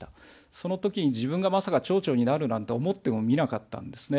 そのときに自分がまさか町長になるなんて思ってもみなかったんですね。